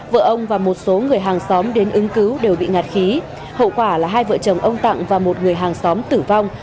vợ ông và một số người hàng xóm đến ứng cứu đều bị ngạt khí hậu quả là hai vợ chồng ông tặng và một người hàng xóm tử vong